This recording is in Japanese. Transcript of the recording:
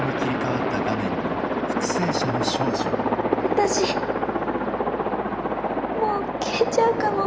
「私もう消えちゃうかも」。